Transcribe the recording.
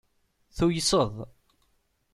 Tuyseḍ.